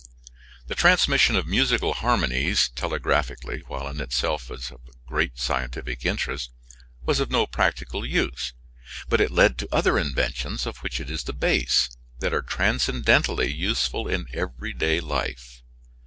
The transmission of musical harmonies telegraphically, while in itself of great scientific interest, was of no practical use, but it led to other inventions, of which it is the base, that are transcendently useful in every day life.